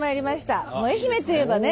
愛媛といえばね